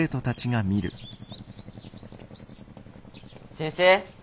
先生。